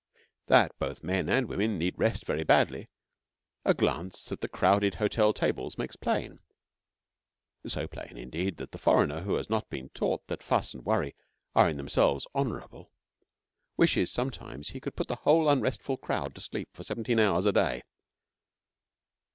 That both men and women need rest very badly a glance at the crowded hotel tables makes plain so plain, indeed, that the foreigner who has not been taught that fuss and worry are in themselves honourable wishes sometimes he could put the whole unrestful crowd to sleep for seventeen hours a day.